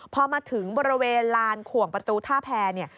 พอมาถึงบริเวณลานขวงประตูท่าแพรเนี่ย